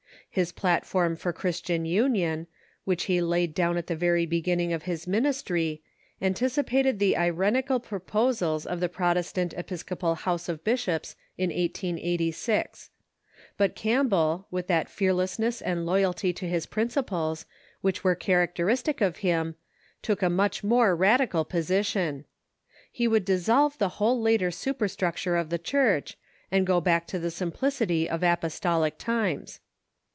His platform for Christian union, Avhich he laid down at the very beginning of his ministry, an ticipated the irenical proposals of the Protestant Episcopal House of Bishops in 1886. But Campbell, with that fearless ness and loyalty to his principles which were characteristic of him, took a much more radical position. He would dissolve the whole later superstructure of the Church, and go back to the simplicity of apostolic times.